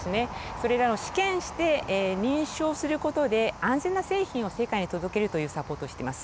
それらを試験して認証することで安全な製品を世界に届けるというサポートをしています。